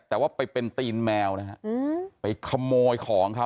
แต่ว่าไปเป็นตีนแมวนะฮะไปขโมยของเขา